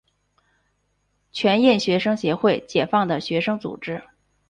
全印学生协会解放的学生组织。